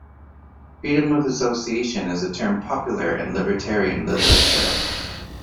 Freedom of association is a term popular in libertarian literature.